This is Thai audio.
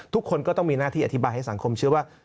ทุกคนก็ต้องมีหน้าที่อธิบายให้สังคมเชื่อว่า